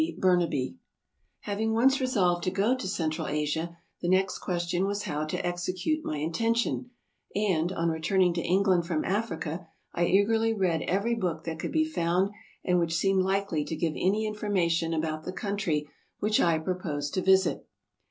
BURNABY HAVING once resolved to go to Central Asia, the next question was how to execute my intention; and, on returning to England from Africa, I eagerly read every book that could be found and which seemed likely to give any in formation about the country which I proposed to visit.